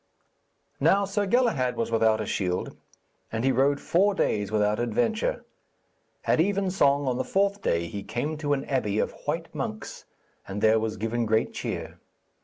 Now Sir Galahad was without a shield, and he rode four days without adventure. At evensong on the fourth day he came to an abbey of white monks, and there was given great cheer.